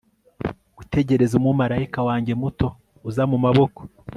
Gutegereza umumarayika wanjye muto uza mu maboko